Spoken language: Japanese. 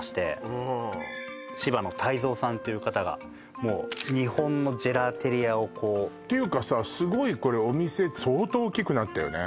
うん柴野大造さんという方がもう日本のジェラテリアをこうっていうかさすごいこれお店相当大きくなったよね？